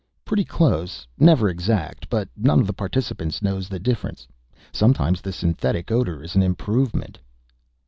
"Pretty close. Never exact, but none of the participants knows the difference. Sometimes the synthetic odor is an improvement."